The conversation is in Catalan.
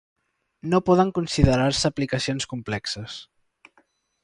No poden considerar-se aplicacions complexes.